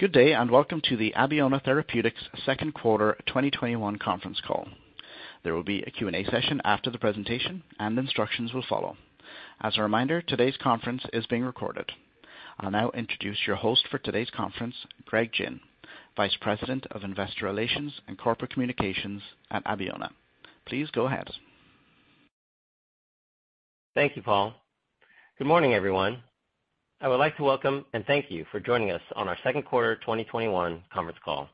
Good day, welcome to the Abeona Therapeutics second quarter 2021 conference call. There will be a Q&A session after the presentation, and instructions will follow. As a reminder, today's conference is being recorded. I'll now introduce your host for today's conference, Greg Gin, Vice President of Investor Relations and Corporate Communications at Abeona. Please go ahead. Thank you, Paul. Good morning, everyone. I would like to welcome and thank you for joining us on our second quarter 2021 conference call.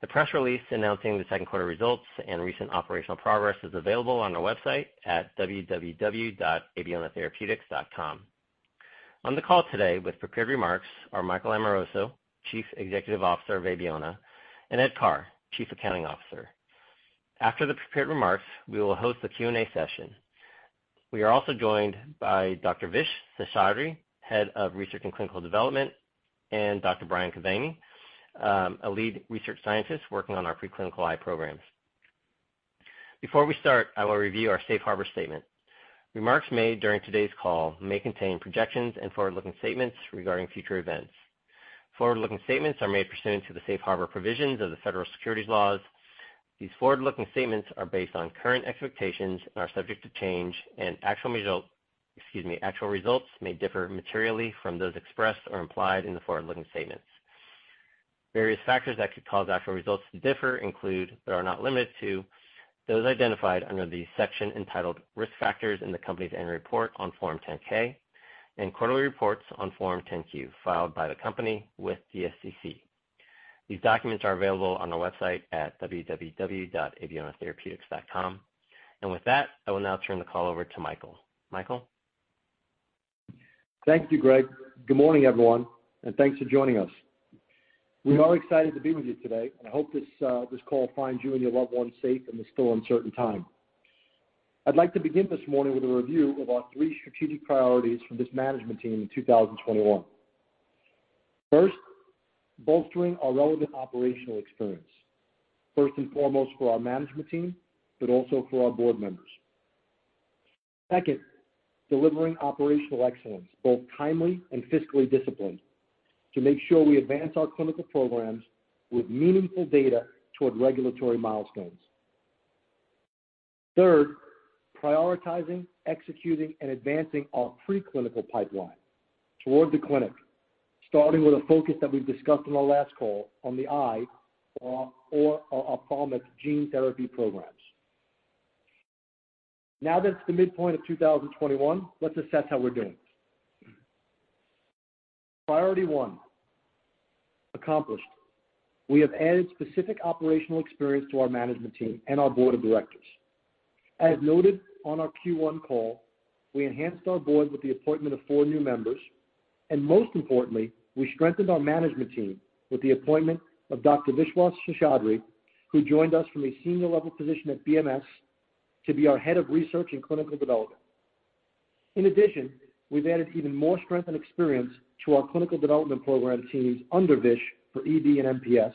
The press release announcing the second quarter results and recent operational progress is available on our website at www.abeonatherapeutics.com. On the call today with prepared remarks are Michael Amoroso, Chief Executive Officer of Abeona, and Ed Carr, Chief Accounting Officer. After the prepared remarks, we will host a Q&A session. We are also joined by Dr. Vish Seshadri, Head of Research and Clinical Development, and Dr. Brian Kevany, a lead research scientist working on our preclinical eye programs. Before we start, I will review our safe harbor statement. Remarks made during today's call may contain projections and forward-looking statements regarding future events. Forward-looking statements are made pursuant to the safe harbor provisions of the Federal Securities Laws. These forward-looking statements are based on current expectations and are subject to change, and actual results may differ materially from those expressed or implied in the forward-looking statements. Various factors that could cause actual results to differ include, but are not limited to, those identified under the section entitled "Risk Factors" in the company's annual report on Form 10-K and quarterly reports on Form 10-Q filed by the company with the SEC. These documents are available on our website at www.abeonatherapeutics.com. With that, I will now turn the call over to Michael. Michael? Thank you, Greg. Good morning, everyone, and thanks for joining us. We are excited to be with you today, and I hope this call finds you and your loved ones safe in this still uncertain time. I'd like to begin this morning with a review of our three strategic priorities for this management team in 2021. First, bolstering our relevant operational experience, first and foremost for our management team, but also for our board members. Second, delivering operational excellence, both timely and fiscally disciplined, to make sure we advance our clinical programs with meaningful data toward regulatory milestones. Third, prioritizing, executing, and advancing our preclinical pipeline toward the clinic, starting with a focus that we've discussed on our last call on the eye or our ophthalmic gene therapy programs. Now that it's the midpoint of 2021, let's assess how we're doing. Priority one, accomplished. We have added specific operational experience to our management team and our board of directors. As noted on our Q1 call, we enhanced our board with the appointment of four new members. Most importantly, we strengthened our management team with the appointment of Dr. Vishwas Seshadri, who joined us from a senior-level position at BMS to be our Head of Research and Clinical Development. In addition, we've added even more strength and experience to our clinical development program teams under Vish for EB and MPS.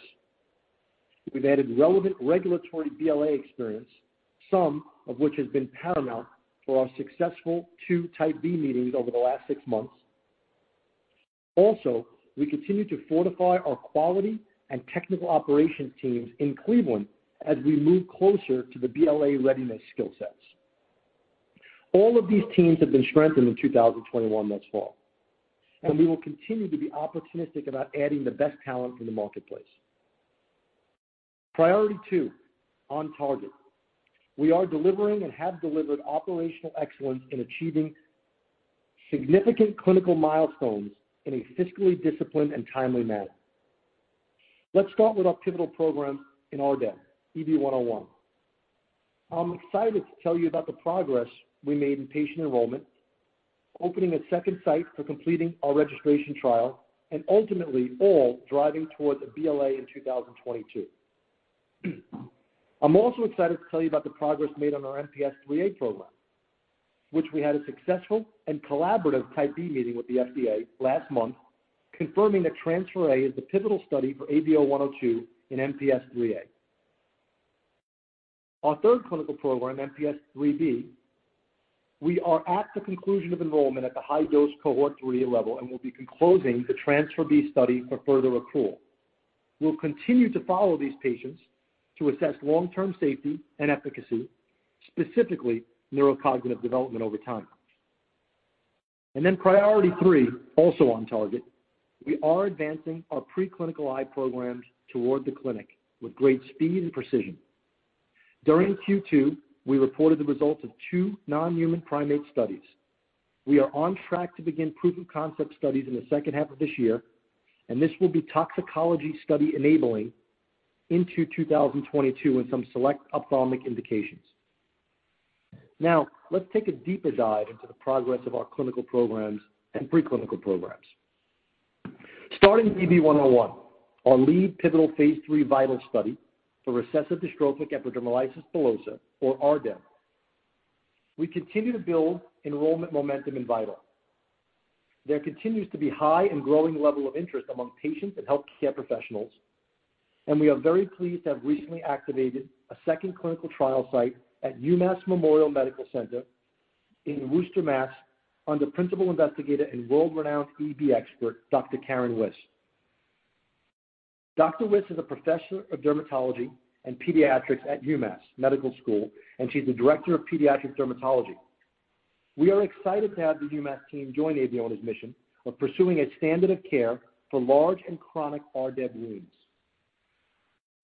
We've added relevant regulatory BLA experience, some of which has been paramount for our successful two Type B meetings over the last six months. We continue to fortify our quality and technical operations teams in Cleveland as we move closer to the BLA readiness skill sets. All of these teams have been strengthened in 2021 thus far, we will continue to be opportunistic about adding the best talent in the marketplace. Priority two, on target. We are delivering and have delivered operational excellence in achieving significant clinical milestones in a fiscally disciplined and timely manner. Let's start with our pivotal program in RDEB, EB-101. I'm excited to tell you about the progress we made in patient enrollment, opening a second site for completing our registration trial, and ultimately all driving towards a BLA in 2022. I'm also excited to tell you about the progress made on our MPS IIIA program, which we had a successful and collaborative Type B meeting with the FDA last month confirming that Transpher A is the pivotal study for ABO-102 in MPS IIIA. Our third clinical program, MPS IIIB, we are at the conclusion of enrollment at the high-dose cohort three level and will be closing the Transpher B study for further accrual. We'll continue to follow these patients to assess long-term safety and efficacy, specifically neurocognitive development over time. Priority three, also on target. We are advancing our preclinical eye programs toward the clinic with great speed and precision. During Q2, we reported the results of two non-human primate studies. We are on track to begin proof of concept studies in the second half of this year, and this will be toxicology study enabling into 2022 in some select ophthalmic indications. Let's take a deeper dive into the progress of our clinical programs and preclinical programs. Starting with EB-101, our lead pivotal phase III VITAL study for recessive dystrophic epidermolysis bullosa, or RDEB. We continue to build enrollment momentum in VITAL. There continues to be high and growing level of interest among patients and healthcare professionals. We are very pleased to have recently activated a second clinical trial site at UMass Memorial Medical Center in Worcester, Mass., under principal investigator and world-renowned EB expert, Dr. Karen Wiss. Dr. Wiss is a professor of dermatology and pediatrics at UMass Medical School, and she's the director of pediatric dermatology. We are excited to have the UMass team join Abeona's mission of pursuing a standard of care for large and chronic RDEB wounds.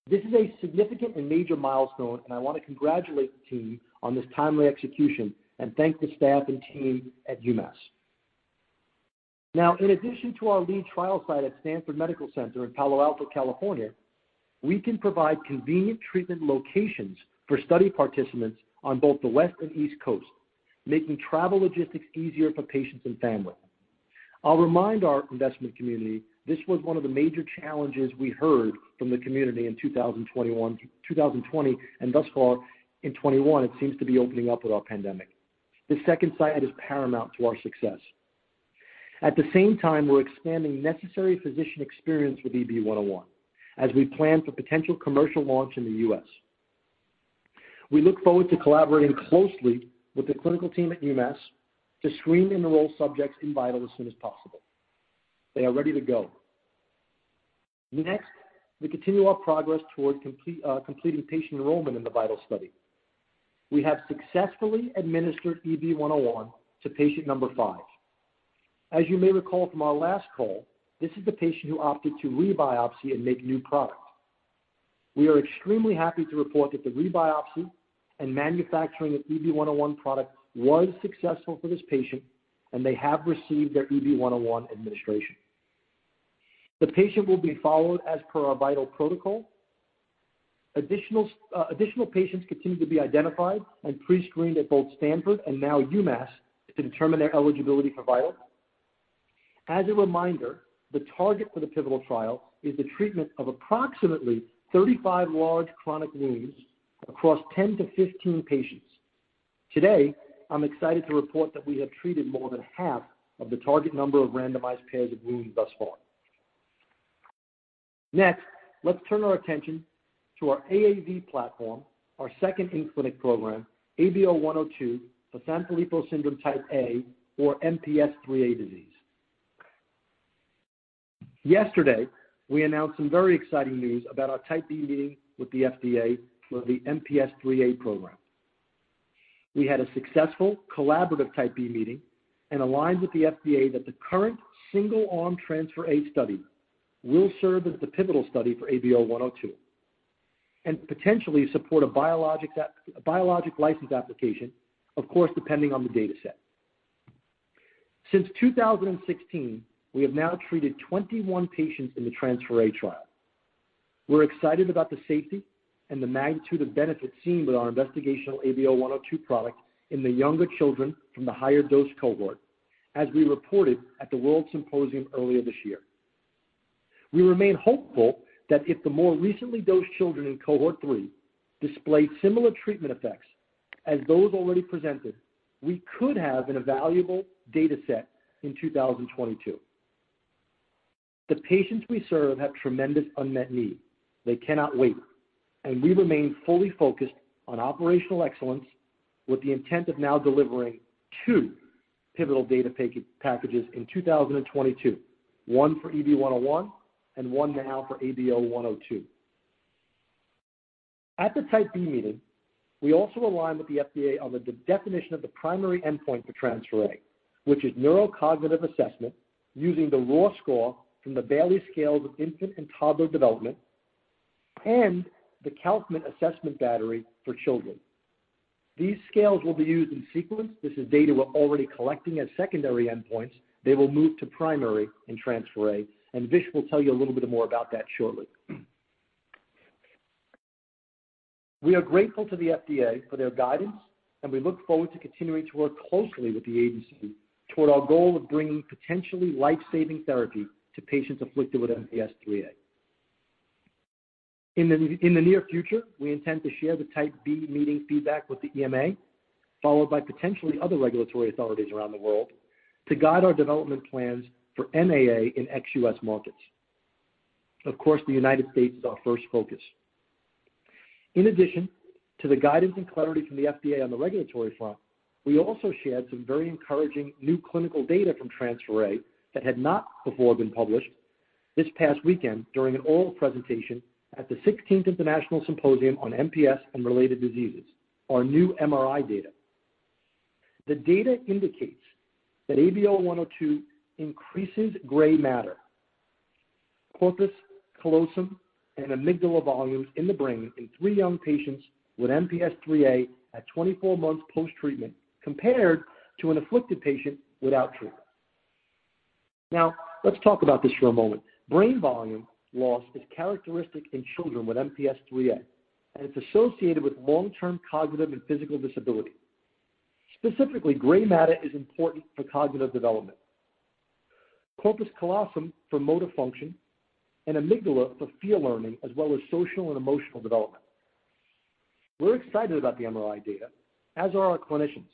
This is a significant and major milestone, and I want to congratulate the team on this timely execution and thank the staff and team at UMass. Now, in addition to our lead trial site at Stanford University Medical Center in Palo Alto, California, we can provide convenient treatment locations for study participants on both the West and East Coast, making travel logistics easier for patients and family. I'll remind our investment community this was one of the major challenges we heard from the community in 2020, and thus far in 2021, it seems to be opening up with our pandemic. This second site is paramount to our success. At the same time, we're expanding necessary physician experience with EB-101 as we plan for potential commercial launch in the U.S. We look forward to collaborating closely with the clinical team at UMass Medical School to screen and enroll subjects in VITAL as soon as possible. They are ready to go. Next, we continue our progress toward completing patient enrollment in the VITAL study. We have successfully administered EB-101 to patient number five. As you may recall from our last call, this is the patient who opted to rebiopsy and make new product. We are extremely happy to report that the rebiopsy and manufacturing of EB-101 product was successful for this patient, and they have received their EB-101 administration. The patient will be followed as per our VITAL protocol. Additional patients continue to be identified and pre-screened at both Stanford and now UMass to determine their eligibility for VITAL. As a reminder, the target for the pivotal trial is the treatment of approximately 35 large chronic wounds across 10 patients-15 patients. Today, I'm excited to report that we have treated more than half of the target number of randomized pairs of wounds thus far. Let's turn our attention to our AAV platform, our second in-clinic program, ABO-102 for Sanfilippo syndrome type A, or MPS IIIA disease. We announced some very exciting news about our Type B meeting with the FDA for the MPS IIIA program. We had a successful collaborative Type B meeting and aligned with the FDA that the current single-arm Transpher A study will serve as the pivotal study for ABO-102 and potentially support a biologic license application, of course, depending on the data set. We have now treated 21 patients in the Transpher A trial. We're excited about the safety and the magnitude of benefit seen with our investigational ABO-102 product in the younger children from the higher dose cohort, as we reported at the WORLDSymposium earlier this year. We remain hopeful that if the more recently dosed children in cohort three display similar treatment effects as those already presented, we could have an evaluable data set in 2022. The patients we serve have tremendous unmet need. We remain fully focused on operational excellence with the intent of now delivering two pivotal data packages in 2022, one for EB-101 and one now for ABO-102. At the Type B meeting, we also aligned with the FDA on the definition of the primary endpoint for Transpher A, which is neurocognitive assessment using the raw score from the Bayley Scales of Infant and Toddler Development and the Kaufman Assessment Battery for Children. These scales will be used in sequence. This is data we're already collecting as secondary endpoints. They will move to primary in Transpher A, Vish will tell you a little bit more about that shortly. We are grateful to the FDA for their guidance, and we look forward to continuing to work closely with the agency toward our goal of bringing potentially life-saving therapy to patients afflicted with MPS IIIA. In the near future, we intend to share the Type B meeting feedback with the EMA, followed by potentially other regulatory authorities around the world to guide our development plans for MAA in ex-U.S. markets. Of course, the United States is our first focus. In addition to the guidance and clarity from the FDA on the regulatory front, we also shared some very encouraging new clinical data from Transpher A that had not before been published this past weekend during an oral presentation at the 16th International Symposium on MPS and Related Diseases. Our new MRI data. The data indicates that ABO-102 increases gray matter, corpus callosum, and amygdala volumes in the brain in three young patients with MPS IIIA at 24 months post-treatment compared to an afflicted patient without treatment. Let's talk about this for a moment. Brain volume loss is characteristic in children with MPS IIIA, and it's associated with long-term cognitive and physical disability. Specifically, gray matter is important for cognitive development, corpus callosum for motor function, and amygdala for fear learning as well as social and emotional development. We're excited about the MRI data, as are our clinicians,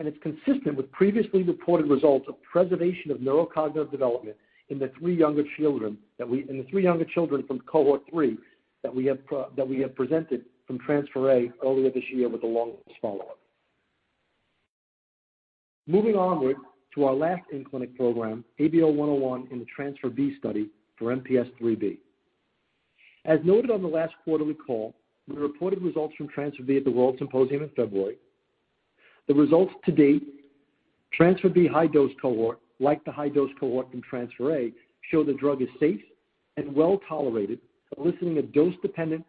and it's consistent with previously reported results of preservation of neurocognitive development in the three younger children from cohort three that we have presented from Transpher A earlier this year with the longest follow-up. Moving onward to our last in-clinic program, ABO-101 in the Transpher B study for MPS IIIB. As noted on the last quarterly call, we reported results from Transpher B at the WORLDSymposium in February. The results to date, Transpher B high-dose cohort, like the high-dose cohort from Transpher A, show the drug is safe and well-tolerated, eliciting a dose-dependent,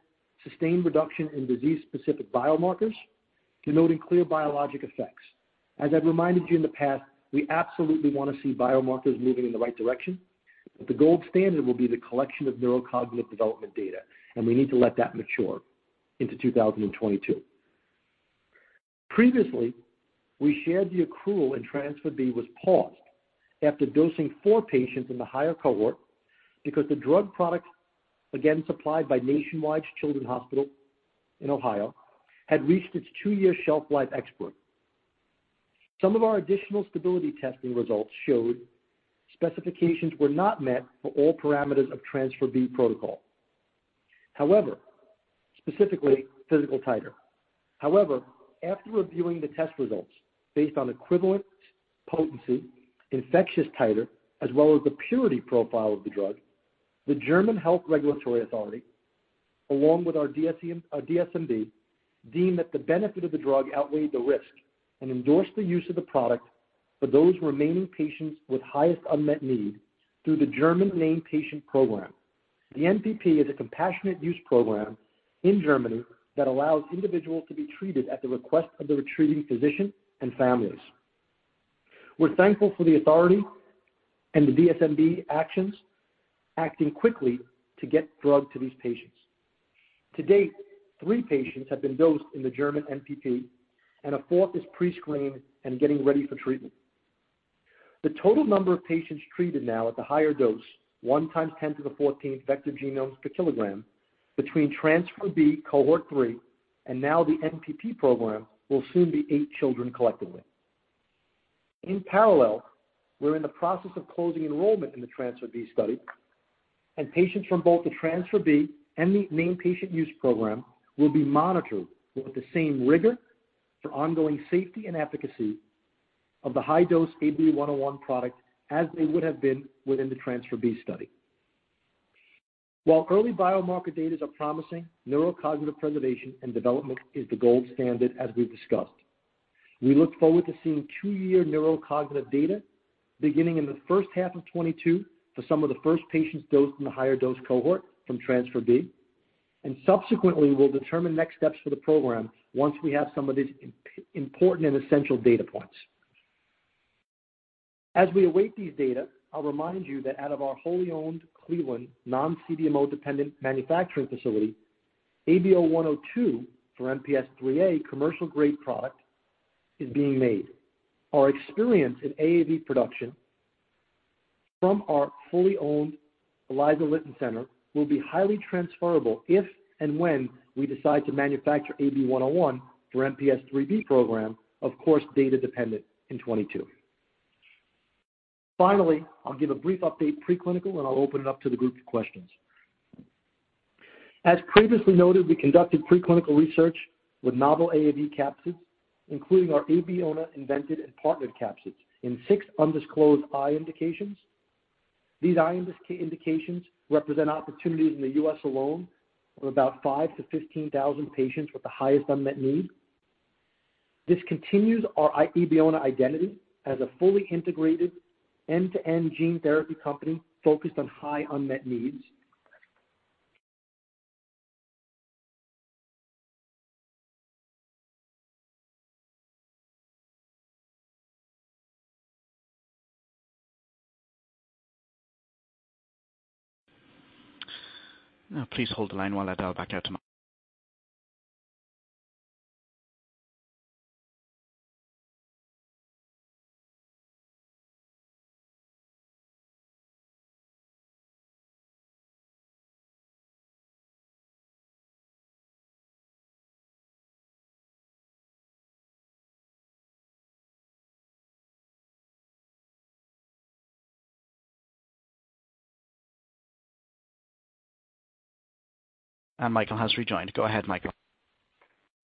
sustained reduction in disease-specific biomarkers, denoting clear biologic effects. As I've reminded you in the past, we absolutely want to see biomarkers moving in the right direction. The gold standard will be the collection of neurocognitive development data, and we need to let that mature into 2022. Previously, we shared the accrual in Transpher B was paused after dosing four patients in the higher cohort because the drug product, again supplied by Nationwide Children's Hospital in Ohio, had reached its two-year shelf life expiry. Some of our additional stability testing results showed specifications were not met for all parameters of Transpher B protocol, specifically physical titer. However, after reviewing the test results based on equivalent potency, infectious titer, as well as the purity profile of the drug, the German Health Regulatory Authority, along with our DSMB, deemed that the benefit of the drug outweighed the risk and endorsed the use of the product for those remaining patients with highest unmet need through the German Named Patient Program. The NPP is a compassionate use program in Germany that allows individuals to be treated at the request of the treating physician and families. We're thankful for the authority and the DSMB acting quickly to get drug to these patients. To date, three patients have been dosed in the German NPP, and a fourth is pre-screened and getting ready for treatment. The total number of patients treated now at the higher dose, 1 x 10^14 vector genomes per kilogram between Transpher B cohort three and now the NPP program, will soon be eight children collectively. In parallel, we're in the process of closing enrollment in the Transpher B study, and patients from both the Transpher B and the Named Patient Program will be monitored with the same rigor for ongoing safety and efficacy of the high-dose ABO-101 product as they would have been within the Transpher B study. While early biomarker data are promising, neurocognitive preservation and development is the gold standard, as we've discussed. We look forward to seeing two-year neurocognitive data beginning in the first half of 2022 for some of the first patients dosed in the higher dose cohort from Transpher B and subsequently will determine next steps for the program once we have some of these important and essential data points. As we await these data, I'll remind you that out of our wholly owned Cleveland non-CDMO-dependent manufacturing facility, ABO-102 for MPS IIIA commercial-grade product is being made. Our experience in AAV production from our fully owned Elisa Linton Center will be highly transferable if and when we decide to manufacture ABO-101 for MPS IIIB program, of course, data dependent in 2022. Finally, I'll give a brief update preclinical and I'll open it up to the group for questions. As previously noted, we conducted preclinical research with novel AAV capsids, including our Abeona invented and partnered capsids in six undisclosed eye indications. These eye indications represent opportunities in the U.S. alone of about 5,000 patients-15,000 patients with the highest unmet need. This continues our Abeona identity as a fully integrated end-to-end gene therapy company focused on high unmet needs. Please hold the line while I dial back out to Michael has rejoined. Go ahead, Michael.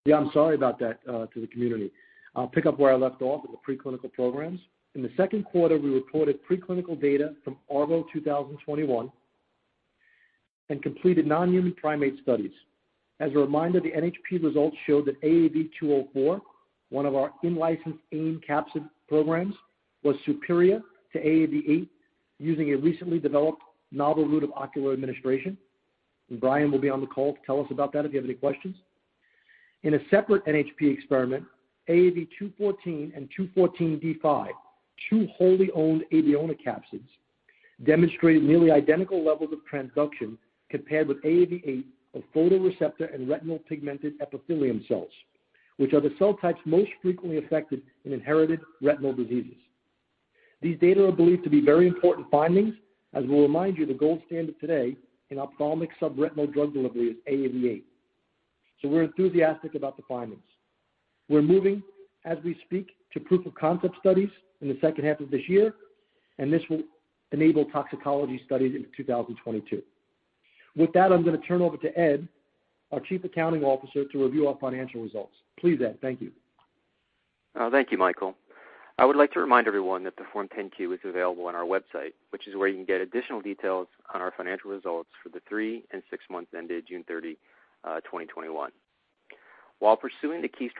Yeah, I'm sorry about that to the community. I'll pick up where I left off with the preclinical programs. In the second quarter, we reported preclinical data from ARVO 2021 and completed non-human primate studies. As a reminder, the NHP results showed that AAV204, one of our in-licensed AAV capsid programs, was superior to AAV8 using a recently developed novel route of ocular administration. Brian will be on the call to tell us about that if you have any questions. In a separate NHP experiment, AAV214 and 214Z5, two wholly owned Abeona capsids, demonstrated nearly identical levels of transduction compared with AAV8 of photoreceptor and retinal pigment epithelium cells, which are the cell types most frequently affected in inherited retinal diseases. These data are believed to be very important findings, as we'll remind you, the gold standard today in ophthalmic subretinal drug delivery is AAV8. We're enthusiastic about the findings. We're moving, as we speak, to proof of concept studies in the second half of this year. This will enable toxicology studies in 2022. With that, I'm going to turn over to Ed, our Chief Accounting Officer, to review our financial results. Please, Ed. Thank you. Thank you, Michael. I would like to remind everyone that the Form 10-Q is available on our website, which is where you can get additional details on our financial results for the three and six months ended June 30, 2021. While pursuing the key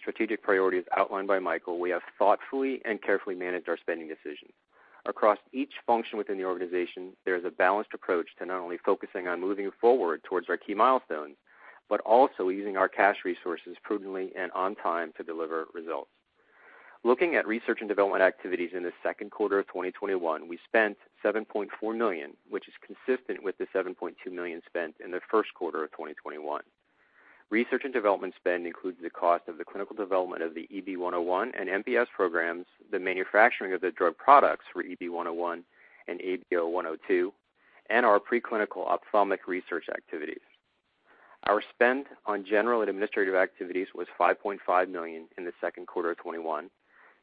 strategic priorities outlined by Michael, we have thoughtfully and carefully managed our spending decisions. Across each function within the organization, there is a balanced approach to not only focusing on moving forward towards our key milestones, but also using our cash resources prudently and on time to deliver results. Looking at research and development activities in the second quarter of 2021, we spent $7.4 million, which is consistent with the $7.2 million spent in the first quarter of 2021. Research and development spend includes the cost of the clinical development of the EB-101 and MPS programs, the manufacturing of the drug products for EB-101 and ABO-102, and our preclinical ophthalmic research activities. Our spend on general and administrative activities was $5.5 million in the second quarter of 2021,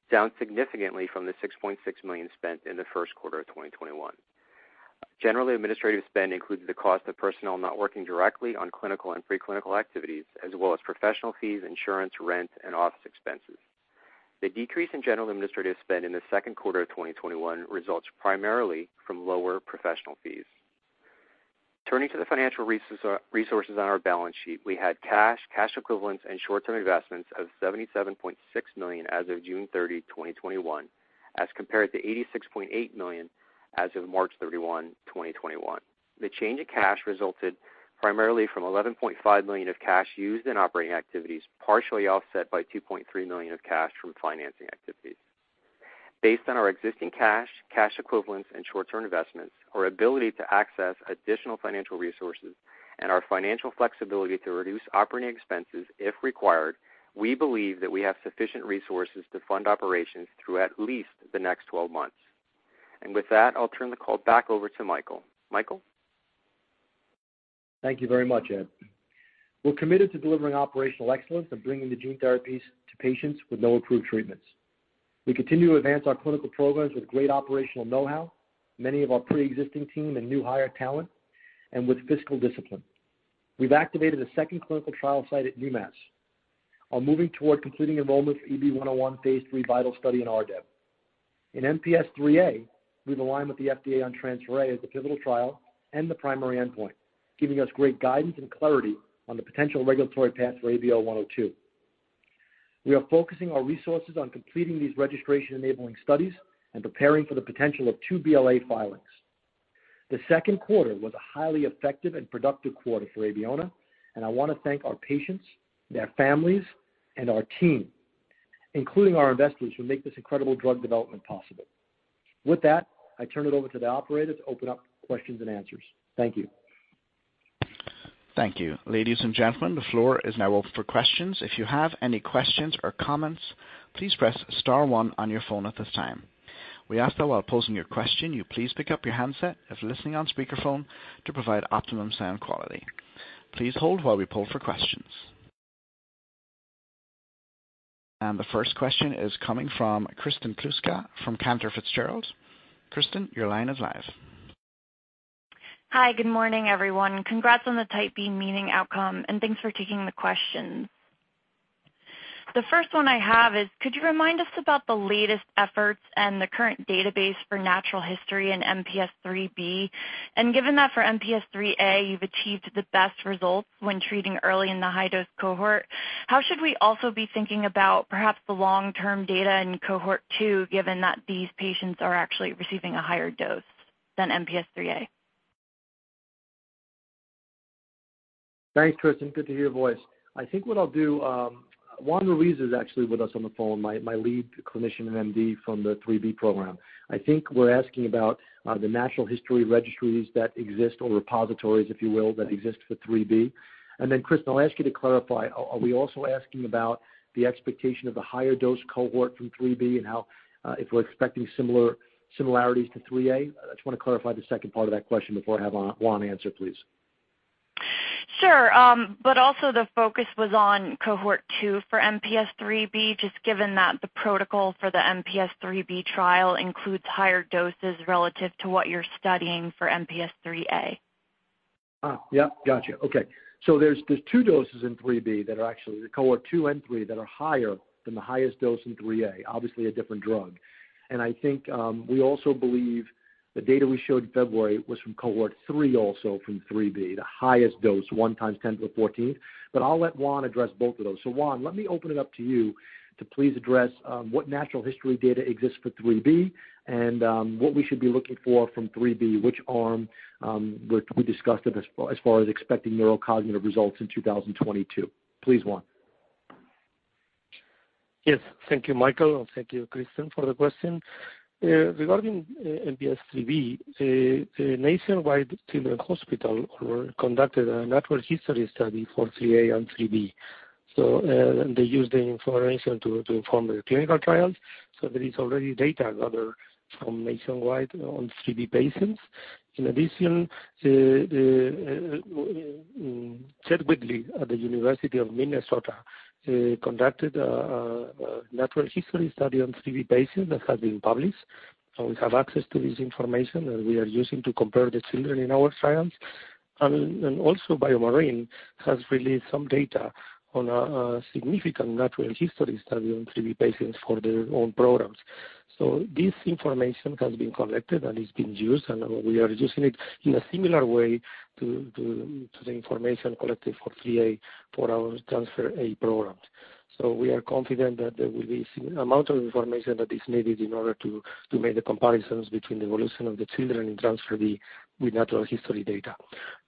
down significantly from the $6.6 million spent in the first quarter of 2021. General administrative spend includes the cost of personnel not working directly on clinical and pre-clinical activities, as well as professional fees, insurance, rent, and office expenses. The decrease in general administrative spend in the second quarter of 2021 results primarily from lower professional fees. Turning to the financial resources on our balance sheet, we had cash equivalents, and short-term investments of $77.6 million as of June 30, 2021, as compared to $86.8 million as of March 31, 2021. The change in cash resulted primarily from $11.5 million of cash used in operating activities, partially offset by $2.3 million of cash from financing activities. Based on our existing cash equivalents, and short-term investments, our ability to access additional financial resources, and our financial flexibility to reduce operating expenses if required, we believe that we have sufficient resources to fund operations through at least the next 12 months. With that, I'll turn the call back over to Michael. Michael? Thank you very much, Ed. We're committed to delivering operational excellence and bringing the gene therapies to patients with no approved treatments. We continue to advance our clinical programs with great operational know-how, many of our preexisting team and new hire talent, and with fiscal discipline. We've activated a second clinical trial site at UMass. We are moving toward completing enrollment for EB-101 phase III vital study in RDEB. In MPS IIIA, we've aligned with the FDA on Transpher A as the pivotal trial and the primary endpoint, giving us great guidance and clarity on the potential regulatory path for ABO-102. We are focusing our resources on completing these registration-enabling studies and preparing for the potential of two BLA filings. The second quarter was a highly effective and productive quarter for Abeona, and I want to thank our patients, their families, and our team, including our investors, who make this incredible drug development possible. With that, I turn it over to the operator to open up questions and answers. Thank you. Thank you. Ladies and gentlemen, the floor is now open for questions. If you have any questions or comments, please press star one on your phone at this time. We ask that while posing your question, you please pick up your handset if listening on speakerphone to provide optimum sound quality. Please hold while we poll for questions. The first question is coming from Kristen Kluska from Cantor Fitzgerald. Kristen, your line is live. Hi, good morning, everyone. Congrats on the Type B meeting outcome, thanks for taking the questions. The first one I have is, could you remind us about the latest efforts and the current database for natural history in MPS IIIB? Given that for MPS IIIA, you've achieved the best results when treating early in the high-dose cohort, how should we also be thinking about perhaps the long-term data in cohort two, given that these patients are actually receiving a higher dose than MPS IIIA? Thanks, Kristen. Good to hear your voice. Juan Ruiz is actually with us on the phone, my lead clinician and MD from the IIIB program. I think we're asking about the natural history registries that exist, or repositories, if you will, that exist for IIIB. Kristen, I'll ask you to clarify, are we also asking about the expectation of the higher dose cohort from IIIB, and if we're expecting similarities to IIIA? I just want to clarify the second part of that question before I have Juan answer, please. Sure. Also, the focus was on cohort two for MPS IIIB, just given that the protocol for the MPS IIIB trial includes higher doses relative to what you're studying for MPS IIIA. Got you. Okay. There's two doses in MPS IIIB, cohort two and three, that are higher than the highest dose in MPS IIIA. Obviously, a different drug. I think we also believe the data we showed in February was from cohort three, also from MPS IIIB, the highest dose, 1 x 10^14. I'll let Juan address both of those. Juan, let me open it up to you to please address what natural history data exists for MPS IIIB and what we should be looking for from MPS IIIB, which arm, which we discussed as far as expecting neurocognitive results in 2022. Please, Juan. Yes. Thank you, Michael, and thank you, Kristen, for the question. Regarding MPS IIIB, Nationwide Children's Hospital conducted a natural history study for IIIA and IIIB They use the information to inform their clinical trials. There is already data gathered from Nationwide on IIIB patients. In addition, Chester Whitley at the University of Minnesota conducted a natural history study on IIIB patients that has been published. We have access to this information that we are using to compare the children in our trials. Also BioMarin has released some data on a significant natural history study on IIIB patients for their own programs. This information has been collected and is being used, and we are using it in a similar way to the information collected for IIIA for our Transpher A programs. We are confident that there will be a amount of information that is needed in order to make the comparisons between the evolution of the children in Transpher B with natural history data.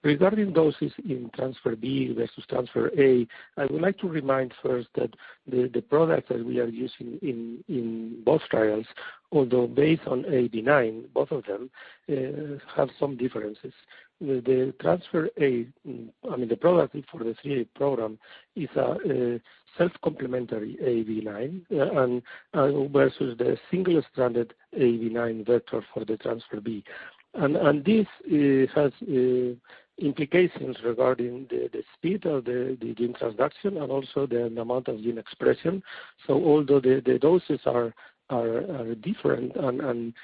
Regarding doses in Transpher B versus Transpher A, I would like to remind first that the product that we are using in both trials, although based on AAV9, both of them, have some differences. The Transpher A, I mean the product for the MPS IIIA program, is a self-complementary AAV9 versus the single-stranded AAV9 vector for the Transpher B. This has implications regarding the speed of the gene transduction and also the amount of gene expression. Although the doses are different and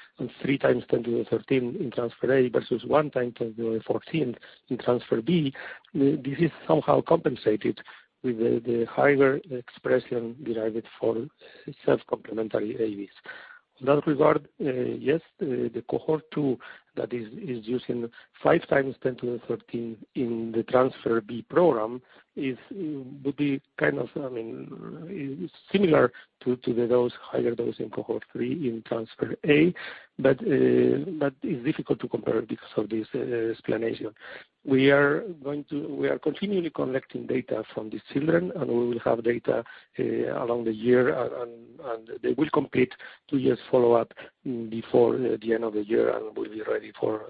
3 x 10^13 in Transpher A versus 1 x 10^14 in Transpher B, this is somehow compensated with the higher expression derived for self-complementary AAVs. In that regard, yes, the cohort two that is using 5 x 10^13 in the Transpher B program would be kind of similar to the higher dose in cohort three in Transpher A, but it's difficult to compare because of this explanation. We are continually collecting data from these children, and we will have data along the year, and they will complete two years follow-up before the end of the year, and we'll be ready for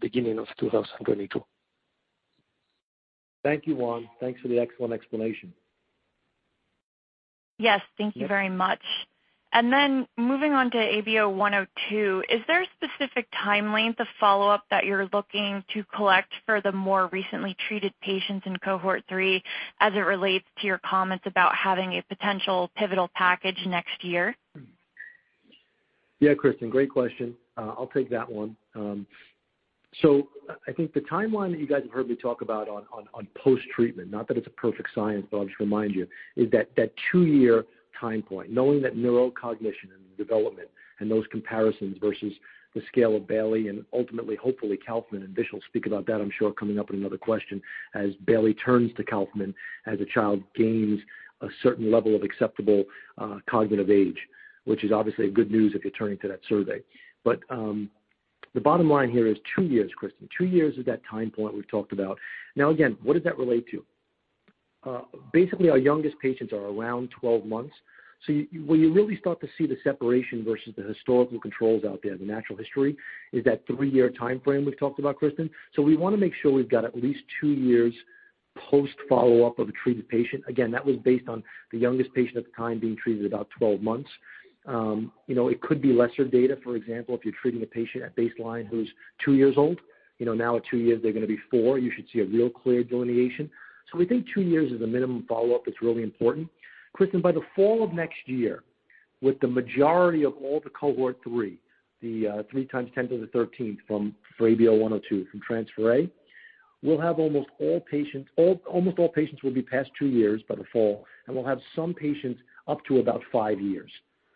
beginning of 2022. Thank you, Juan. Thanks for the excellent explanation. Yes. Thank you very much. Moving on to ABO-102, is there a specific time length of follow-up that you're looking to collect for the more recently treated patients in cohort three as it relates to your comments about having a potential pivotal package next year? Kristen. Great question. I'll take that one. I think the timeline that you guys have heard me talk about on post-treatment, not that it's a perfect science, but I'll just remind you, is that two-year time point. Knowing that neurocognition and development and those comparisons versus the scale of Bayley and ultimately, hopefully Kaufman, and Vish will speak about that, I'm sure, coming up in another question, as Bayley turns to Kaufman, as a child gains a certain level of acceptable cognitive age, which is obviously a good news if you're turning to that survey. The bottom line here is two years, Kristen. two years is that time point we've talked about. Again, what does that relate to? Basically, our youngest patients are around 12 months. Where you really start to see the separation versus the historical controls out there, the natural history, is that three-year timeframe we've talked about, Kristen. We want to make sure we've got at least two years post follow-up of a treated patient. Again, that was based on the youngest patient at the time being treated at about 12 months. It could be lesser data. For example, if you're treating a patient at baseline who's two years old, now at two years, they're going to be four. You should see a real clear delineation. We think two years is a minimum follow-up that's really important. Kristen, by the fall of next year, with the majority of all the cohort three, the 3 x 10^13 for ABO-102 from Transpher A, we'll have almost all patients will be past two years by the fall, and we'll have some patients up to about five years.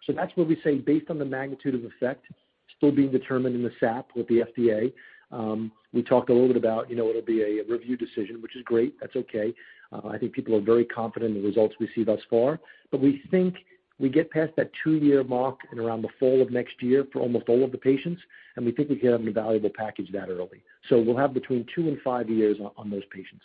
That's where we say, based on the magnitude of effect still being determined in the SAP with the FDA, we talked a little bit about it'll be a review decision, which is great. That's okay. I think people are very confident in the results we see thus far. We think we get past that two-year mark and around the fall of next year for almost all of the patients, and we think we can have a valuable package that early. We'll have between two and five years on those patients.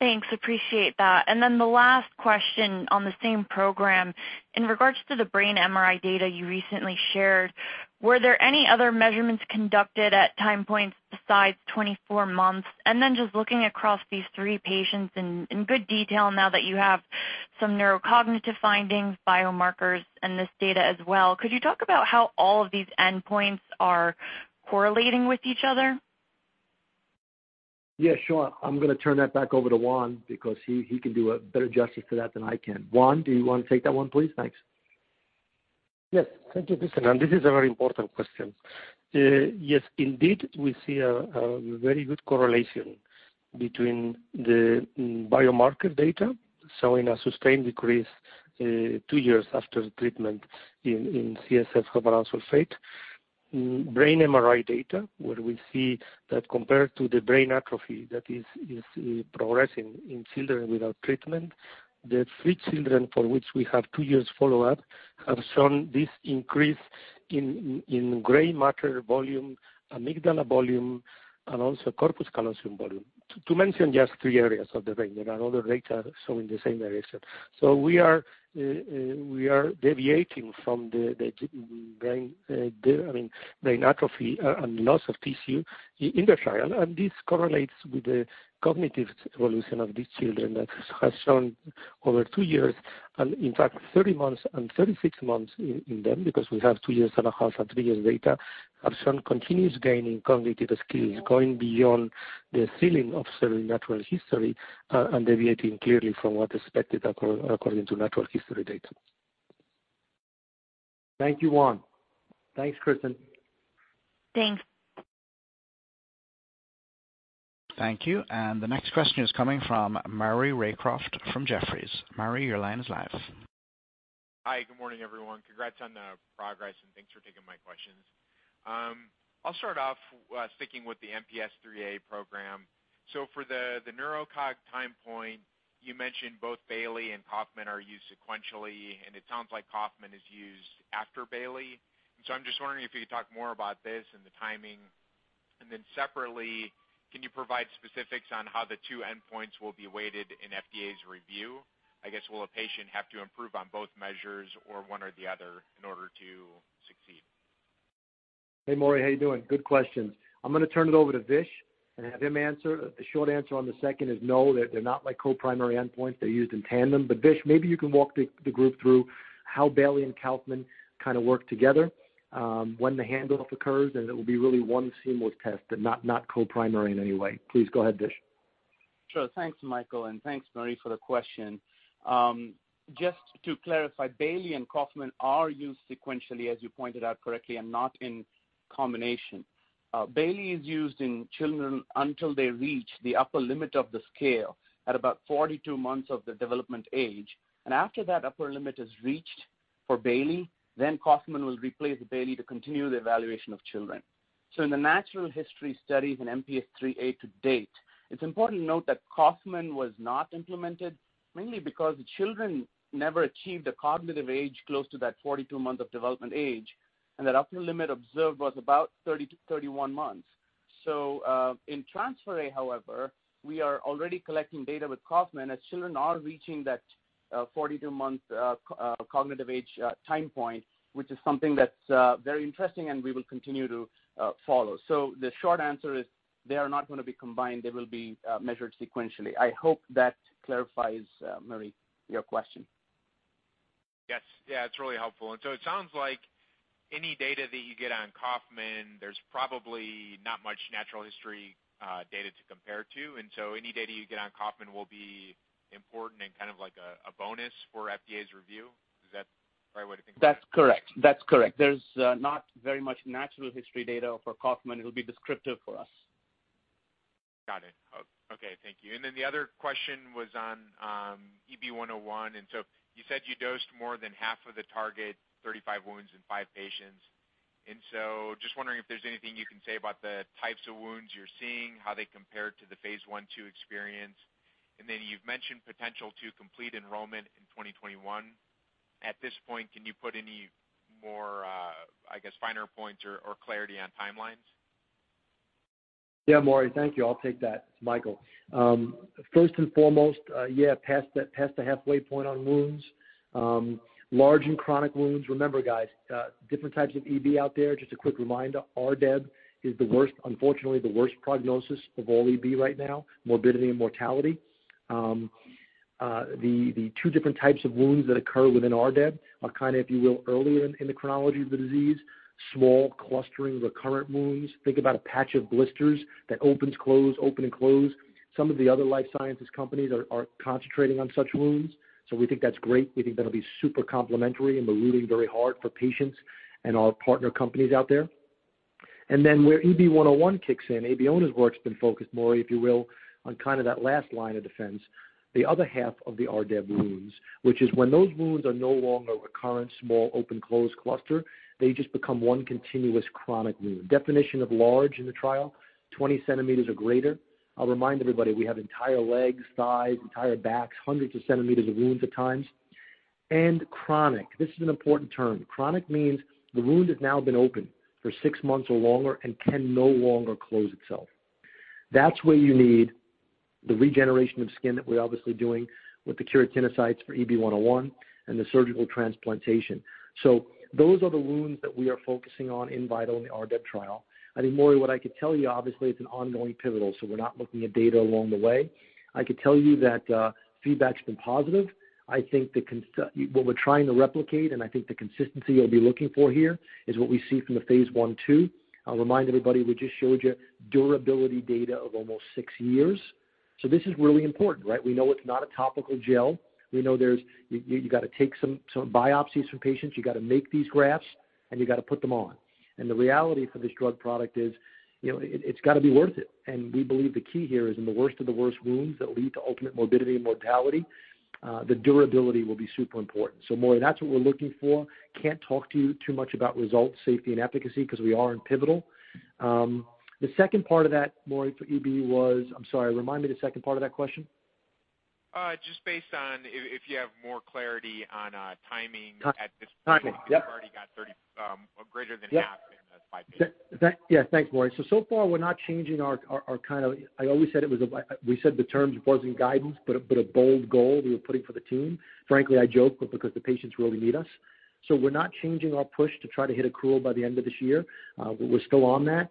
Thanks. Appreciate that. The last question on the same program. In regards to the brain MRI data you recently shared, were there any other measurements conducted at time points besides 24 months? Just looking across these three patients in good detail now that you have some neurocognitive findings, biomarkers, and this data as well, could you talk about how all of these endpoints are correlating with each other? Yeah, sure. I'm going to turn that back over to Juan because he can do a better justice to that than I can. Juan, do you want to take that one, please? Thanks. Yes. Thank you, Kristen. This is a very important question. Yes, indeed, we see a very good correlation between the biomarker data showing a sustained decrease two years after the treatment in CSF heparan sulfate. Brain MRI data, where we see that compared to the brain atrophy that is progressing in children without treatment, the three children for which we have two years follow-up have shown this increase in gray matter volume, amygdala volume, and also corpus callosum volume. To mention just three areas of the brain. There are other data showing the same direction. We are deviating from the brain atrophy and loss of tissue in the trial, and this correlates with the cognitive evolution of these children that has shown over two years, and in fact, 30 months and 36 months in them, because we have two years and a half and three years data, have shown continuous gain in cognitive skills, going beyond the ceiling of certain natural history, and deviating clearly from what is expected according to natural history data. Thank you, Juan. Thanks, Kristen. Thanks. Thank you. The next question is coming from Maury Raycroft from Jefferies. Maury, your line is live. Hi. Good morning, everyone. Congrats on the progress, and thanks for taking my questions. I'll start off sticking with the MPS IIIA program. For the neurocog time point, you mentioned both Bayley and Kaufman are used sequentially, and it sounds like Kaufman is used after Bayley. I'm just wondering if you could talk more about this and the timing. Separately, can you provide specifics on how the two endpoints will be weighted in FDA's review? I guess, will a patient have to improve on both measures or one or the other in order to succeed? Hey, Maury, how you doing? Good questions. I'm going to turn it over to Vish and have him answer. The short answer on the second is no, they're not co-primary endpoints. They're used in tandem. Vish, maybe you can walk the group through how Bayley and Kaufman work together, when the handoff occurs, and it will be really one seamless test and not co-primary in any way. Please go ahead, Vish. Sure. Thanks, Michael, and thanks, Maury, for the question. Just to clarify, Bayley and Kaufman are used sequentially, as you pointed out correctly, and not in combination. Bayley is used in children until they reach the upper limit of the scale at about 42 months of the development age. After that upper limit is reached for Bayley, Kaufman will replace Bayley to continue the evaluation of children. In the natural history studies in MPS IIIA to date, it's important to note that Kaufman was not implemented mainly because the children never achieved a cognitive age close to that 42 months of development age, and that upper limit observed was about 30-31 months. In Transpher A, however, we are already collecting data with Kaufman, as children are reaching that 42-month cognitive age time point, which is something that's very interesting, and we will continue to follow. The short answer is they are not going to be combined. They will be measured sequentially. I hope that clarifies, Maury, your question. Yes. Yeah, it's really helpful. It sounds like any data that you get on Kaufman, there's probably not much natural history data to compare to. Any data you get on Kaufman will be important and kind of like a bonus for FDA's review. Is that the right way to think of it? That's correct. There's not very much natural history data for Kaufman. It'll be descriptive for us. Got it. Okay. Thank you. The other question was on EB-101, and you said you dosed more than half of the target, 35 wounds in five patients. Just wondering if there's anything you can say about the types of wounds you're seeing, how they compare to the phase I/II experience. At this point, can you put any more, I guess, finer points or clarity on timelines? Maury, thank you. I'll take that. It's Michael. First and foremost, past the halfway point on wounds. Large and chronic wounds. Remember, guys, different types of EB out there. Just a quick reminder, RDEB is the worst, unfortunately, the worst prognosis of all EB right now, morbidity and mortality. The two different types of wounds that occur within RDEB are kind of, if you will, earlier in the chronology of the disease, small clustering, recurrent wounds. Think about a patch of blisters that opens, close, open and close. Some of the other life sciences companies are concentrating on such wounds. We think that's great. We think that'll be super complementary, and we're rooting very hard for patients and our partner companies out there. Where EB-101 kicks in, Abeona's work's been focused more, if you will, on kind of that last line of defense. The other half of the RDEB wounds, which is when those wounds are no longer recurrent, small, open-close cluster, they just become one continuous chronic wound. Definition of large in the trial, 20 cm or greater. I'll remind everybody, we have entire legs, thighs, entire backs, hundreds of centimeters of wounds at times. Chronic, this is an important term. Chronic means the wound has now been open for six months or longer and can no longer close itself. That's where you need the regeneration of skin that we're obviously doing with the keratinocytes for EB-101 and the surgical transplantation. Those are the wounds that we are focusing on in VITAL in the RDEB trial. I think, Maury, what I could tell you, obviously, it's an ongoing pivotal, so we're not looking at data along the way. I could tell you that feedback's been positive. I think what we're trying to replicate, and I think the consistency you'll be looking for here is what we see from the phase I/II. I'll remind everybody, we just showed you durability data of almost six years. This is really important, right? We know it's not a topical gel. We know you got to take some biopsies from patients. You got to make these grafts, and you got to put them on. The reality for this drug product is it's got to be worth it. We believe the key here is in the worst of the worst wounds that lead to ultimate morbidity and mortality, the durability will be super important. Maury, that's what we're looking for. Can't talk to you too much about results, safety, and efficacy because we are in pivotal. The second part of that, Maury, for EB was I'm sorry, remind me the second part of that question. Just based on if you have more clarity on timing at this point. Timing, yep. You've already got greater than half in that five patients. Yeah. Thanks, Maury. So far we're not changing. I always said we said the terms wasn't guidance, but a bold goal we were putting for the team. Frankly, I joke because the patients really need us. We're not changing our push to try to hit accrual by the end of this year. We're still on that.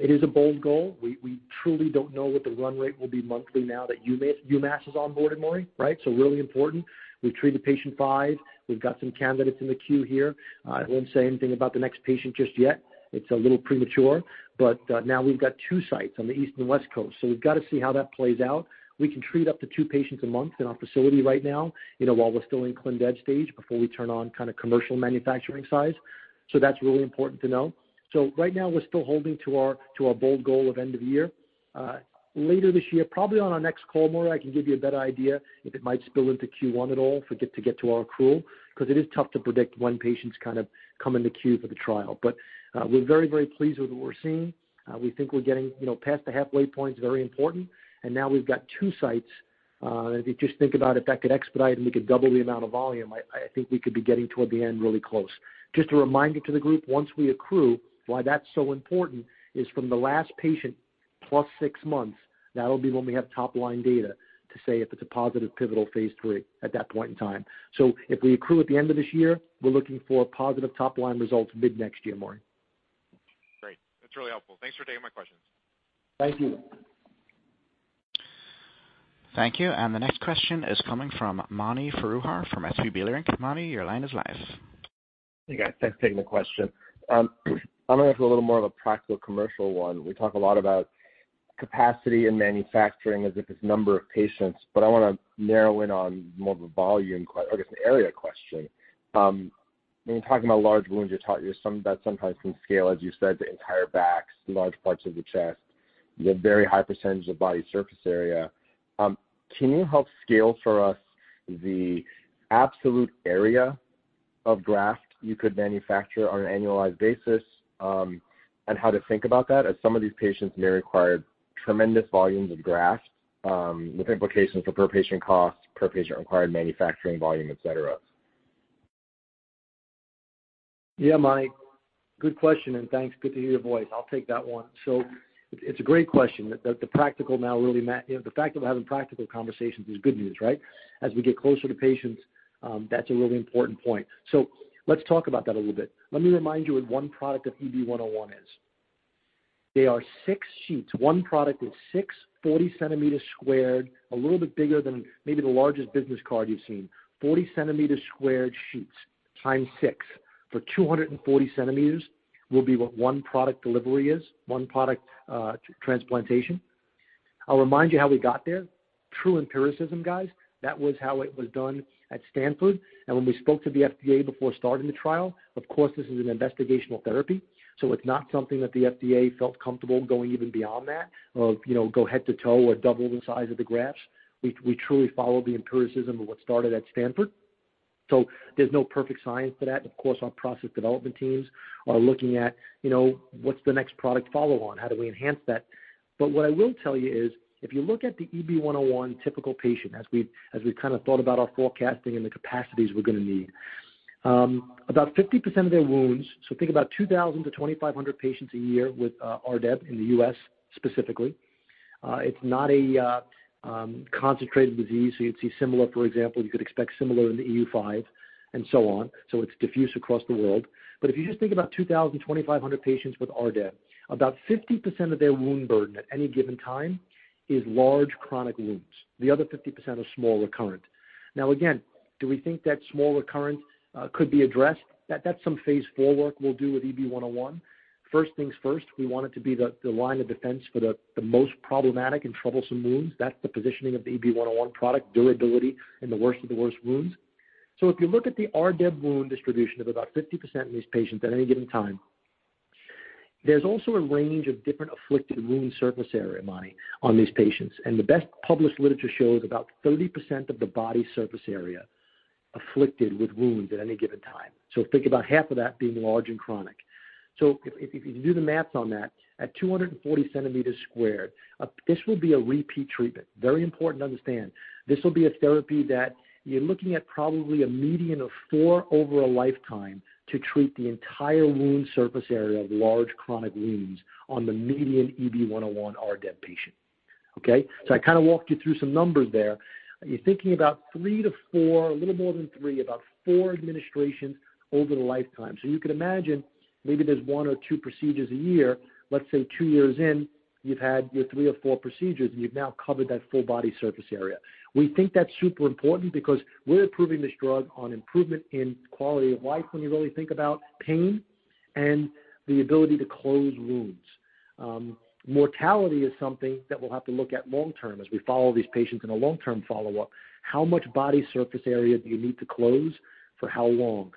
It is a bold goal. We truly don't know what the run rate will be monthly now that UMass is on board, Maury, right? Really important. We treated patient five. We've got some candidates in the queue here. I won't say anything about the next patient just yet. It's a little premature, but now we've got two sites on the east and west coast. We've got to see how that plays out. We can treat up to two patients a month in our facility right now, while we're still in clin dev stage, before we turn on commercial manufacturing size. That's really important to know. Right now, we're still holding to our bold goal of end of the year. Later this year, probably on our next call, Maury, I can give you a better idea if it might spill into Q1 at all to get to our accrual, because it is tough to predict when patients come in the queue for the trial. We're very, very pleased with what we're seeing. We think we're getting past the halfway point is very important. Now we've got two sites. If you just think about if that could expedite and we could double the amount of volume, I think we could be getting toward the end really close. Just a reminder to the group, once we accrue, why that's so important is from the last patient plus six months, that'll be when we have top-line data to say if it's a positive pivotal phase III at that point in time. If we accrue at the end of this year, we're looking for positive top-line results mid next year, Maury. Great. That's really helpful. Thanks for taking my questions. Thank you. Thank you. The next question is coming from Mani Foroohar from SVB Leerink. Mani, your line is live. Hey, guys. Thanks for taking the question. I'm going to go a little more of a practical commercial one. We talk a lot about capacity and manufacturing as if it's number of patients, I want to narrow in on more of a volume, I guess, an area question. When you're talking about large wounds, that sometimes can scale, as you said, to entire backs, large parts of the chest, a very high percentage of body surface area. Can you help scale for us the absolute area of graft you could manufacture on an annualized basis? How to think about that, as some of these patients may require tremendous volumes of grafts with implications for per patient cost, per patient required manufacturing volume, et cetera. Mani, good question and thanks. Good to hear your voice. I'll take that one. It's a great question. The fact that we're having practical conversations is good news, right? As we get closer to patients, that's a really important point. Let's talk about that a little bit. Let me remind you what one product of EB-101 is. They are six sheets. One product is six 40 cm sq, a little bit bigger than maybe the largest business card you've seen. 40 cm sq sheets times six for 240 cm will be what one product delivery is, one product transplantation. I'll remind you how we got there. True empiricism, guys. That was how it was done at Stanford. When we spoke to the FDA before starting the trial, of course, this is an investigational therapy, so it's not something that the FDA felt comfortable going even beyond that of go head to toe or double the size of the grafts. We truly follow the empiricism of what started at Stanford. There's no perfect science for that. Of course, our process development teams are looking at what's the next product follow on, how do we enhance that? What I will tell you is if you look at the EB-101 typical patient, as we've thought about our forecasting and the capacities we're going to need. About 50% of their wounds, so think about 2,000 patients-2,500 patients a year with RDEB in the U.S. specifically. It's not a concentrated disease. You'd see similar, for example, you could expect similar in the EU5 and so on. It's diffuse across the world. If you just think about 2,000, 2,500 patients with RDEB, about 50% of their wound burden at any given time is large chronic wounds. The other 50% are small recurrent. Now again, do we think that small recurrent could be addressed? That's some phase IV work we'll do with EB-101. First things first, we want it to be the line of defense for the most problematic and troublesome wounds. That's the positioning of the EB-101 product durability in the worst of the worst wounds. If you look at the RDEB wound distribution of about 50% in these patients at any given time, there's also a range of different afflicted wound surface area, Mani, on these patients. The best published literature shows about 30% of the body surface area afflicted with wounds at any given time. Think about half of that being large and chronic. If you do the math on that, at 240 cm sq, this will be a repeat treatment. Very important to understand. This will be a therapy that you're looking at probably a median of four over a lifetime to treat the entire wound surface area of large chronic wounds on the median EB-101 RDEB patient. Okay. I walked you through some numbers there. You're thinking about three to four, a little more than three, about four administrations over the lifetime. You could imagine maybe there's one or two procedures a year. Let's say two years in, you've had your three or four procedures, and you've now covered that full body surface area. We think that's super important because we're approving this drug on improvement in quality of life when you really think about pain and the ability to close wounds. Mortality is something that we'll have to look at long-term as we follow these patients in a long-term follow-up, how much body surface area do you need to close for how long?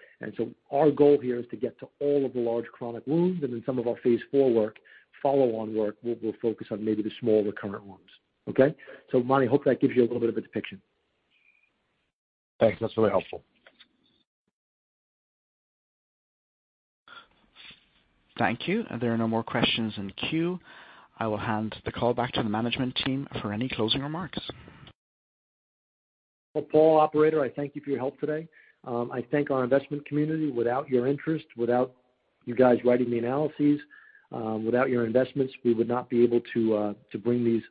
Our goal here is to get to all of the large chronic wounds, and in some of our phase IV work, follow-on work, we'll focus on maybe the small recurrent wounds. Okay? Mani, hope that gives you a little bit of a depiction. Thanks. That's really helpful. Thank you. There are no more questions in the queue. I will hand the call back to the management team for any closing remarks. Well, Paul, operator, I thank you for your help today. I thank our investment community. Without your interest, without you guys writing the analyses, without your investments, we would not be able to bring these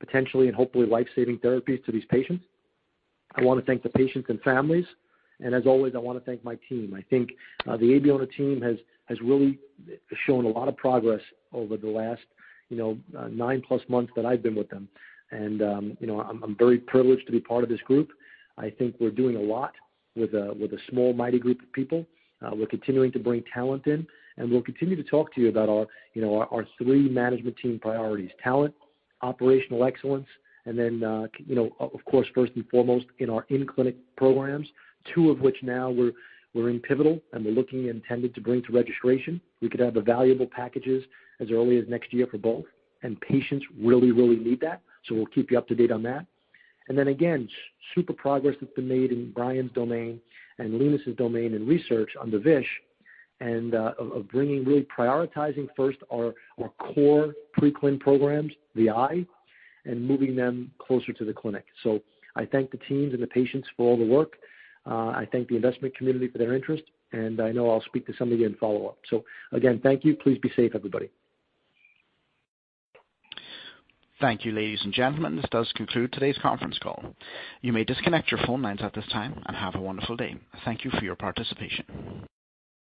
potentially and hopefully life-saving therapies to these patients. I want to thank the patients and families. As always, I want to thank my team. I think the Abeona team has really shown a lot of progress over the last nine plus months that I've been with them, and I'm very privileged to be part of this group. I think we're doing a lot with a small, mighty group of people. We're continuing to bring talent in. We'll continue to talk to you about our three management team priorities, talent, operational excellence, and then, of course, first and foremost in our in-clinic programs, two of which now we're in pivotal and we're looking intended to bring to registration. We could have valuable packages as early as next year for both. Patients really need that. We'll keep you up to date on that. Again, super progress that's been made in Brian's domain and Lunis' domain in research under Vish, of bringing really prioritizing first our core pre-clin programs, the eye, and moving them closer to the clinic. I thank the teams and the patients for all the work. I thank the investment community for their interest. I know I'll speak to some of you in follow-up. Again, thank you. Please be safe, everybody. Thank you, ladies and gentlemen. This does conclude today's conference call. You may disconnect your phone lines at this time, and have a wonderful day. Thank you for your participation.